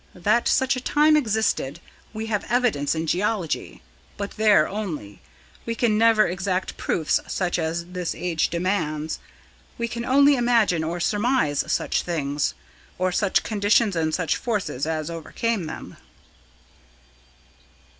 That such a time existed, we have evidences in geology, but there only; we can never expect proofs such as this age demands. We can only imagine or surmise such things or such conditions and such forces as overcame them."